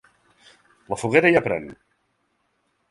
La foguera ja pren!